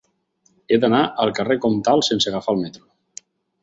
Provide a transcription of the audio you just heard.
He d'anar al carrer Comtal sense agafar el metro.